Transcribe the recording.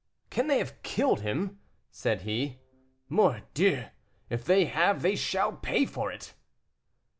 "Can they have killed him?" said he. "Mordieu! if they have they shall pay for it!"